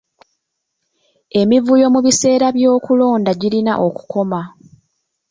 Emivuyo mu biseera by'okulonda girina okukoma.